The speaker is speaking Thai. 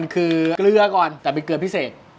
คือเกลือก่อนแต่เป็นเกลือพิเศษ